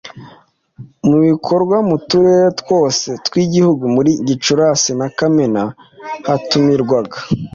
mu bikorwa mu turere twose tw Igihugu muri Gicurasi na Kamena Hatumirwaga